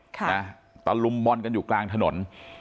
ตะลุมบอลกันอยู่กลางถนน